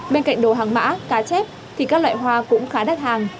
bên cạnh đồ hàng mã cá chép thì các loại hoa cũng khá đắt hàng